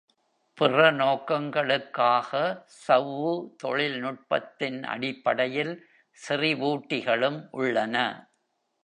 பிற நோக்கங்களுக்காக சவ்வு தொழில்நுட்பத்தின் அடிப்படையில் செறிவூட்டிகளும் உள்ளன.